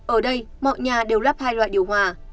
ở đây mọi nhà đều lắp hai loại điều hòa